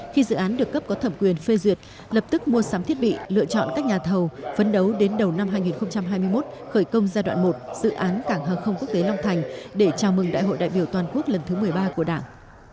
khi dự án được cấp có thẩm quyền phê duyệt lập tức mua sắm thiết bị lựa chọn các nhà thầu phấn đấu đến đầu năm hai nghìn hai mươi một khởi công giai đoạn một dự án cảng hàng không quốc tế long thành để chào mừng đại hội đại biểu toàn quốc lần thứ một mươi ba của đảng